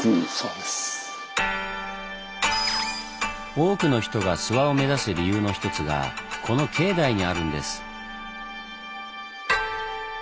多くの人が諏訪を目指す理由の一つがこの境内にあるんです。